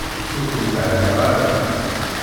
Ur kem-ttɛerriɣ ara.